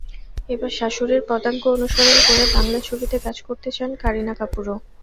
এবার শাশুড়ির পদাঙ্ক অনুসরণ করে বাংলা ছবিতে কাজ করতে চান কারিনা কাপুরও।